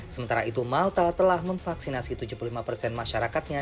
sementara itu malta telah memvaksinasi tujuh puluh lima persen masyarakatnya